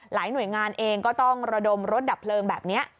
หน่วยงานเองก็ต้องระดมรถดับเพลิงแบบนี้